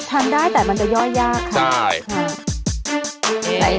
ทานได้แต่มันจะย่อยยากค่ะค่ะอืมใช่